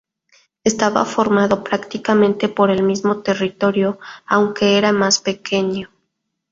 Estaba formado prácticamente por el mismo territorio, aunque era más pequeño.